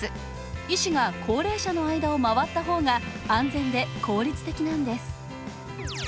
医師が高齢者の間を回ったほうが安全で効率的なんです。